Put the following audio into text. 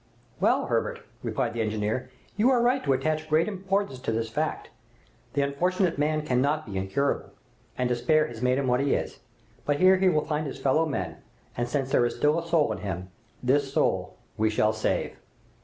"Well, Herbert," replied the engineer, "you are right to attach great importance to this fact. The unfortunate man cannot be incurable, and despair has made him what he is; but here he will find his fellow men, and since there is still a soul in him, this soul we shall save!"